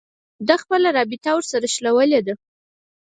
ده خپله رابطه ورسره شلولې ده